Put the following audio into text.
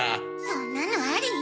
そんなのあり？